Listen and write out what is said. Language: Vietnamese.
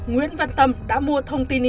nguyễn văn tâm đã mua thông tin